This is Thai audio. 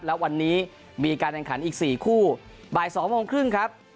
และวันนี้มีการแข่งขันอีก๔คู่บ่าย๒โมงครึ่งครับ